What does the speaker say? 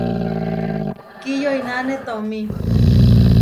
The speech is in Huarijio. Kiyoináne tomí.